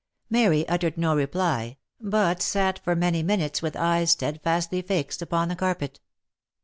Mary uttered no reply, but sat for many minutes with eyes stead fastly fixed upon the carpet.